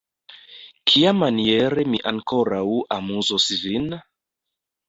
Kiamaniere mi ankoraŭ amuzos vin?